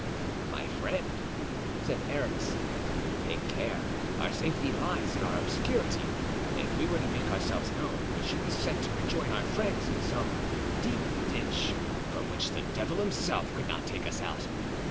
"My friend," said Aramis, "take care; our safety lies in our obscurity. If we were to make ourselves known we should be sent to rejoin our friends in some deep ditch, from which the devil himself could not take us out.